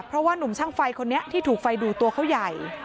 เพราะว่านุ่มช่างไฟคนนี้ที่ถูกไฟดูดตัวเขาใหญ่